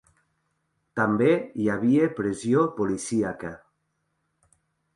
També hi havia pressió policíaca.